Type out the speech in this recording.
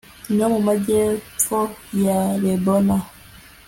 no mu majyepfo ya lebona